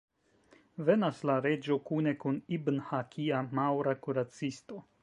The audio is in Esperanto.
Venas la reĝo kune kun Ibn-Hakia, maŭra kuracisto.